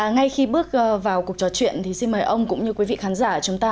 ngay khi bước vào cuộc trò chuyện thì xin mời ông cũng như quý vị khán giả chúng ta